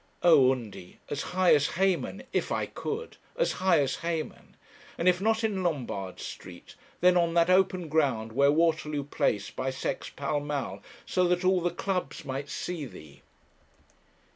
Oh, Undy, as high as Haman, if I could! as high as Haman! and if not in Lombard Street, then on that open ground where Waterloo Place bisects Pall Mall, so that all the clubs might see thee!